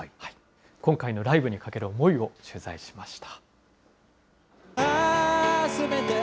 今回のライブにかける思いを取材しました。